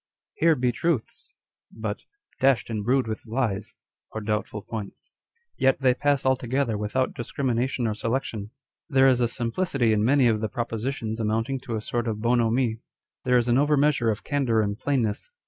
*" Here be truths/' but " dashed and brewed with lies " or doubtful points. Yet they pass altogether without discrimination or selection. There \s a simplicity in many of the propositions amounting to a sort of bonhomie. There is an over measure of candour and plainness.